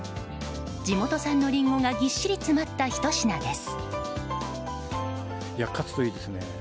地元産のリンゴがぎっしり詰まったひと品です。